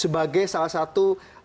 sebagai salah satu